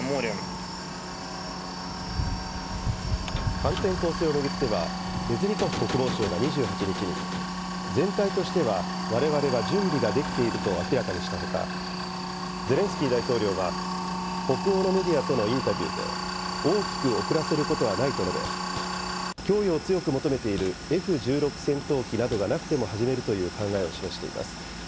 反転攻勢を巡っては、レズニコフ国防相が２８日に、全体としてはわれわれは準備が出来ていると明らかにしたほか、ゼレンスキー大統領は北欧のメディアとのインタビューで、大きく遅らせることはないと述べ、供与を強く求めているＦ１６戦闘機などがなくても始めるという考えを示しています。